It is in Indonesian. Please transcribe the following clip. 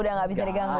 udah nggak bisa diganggu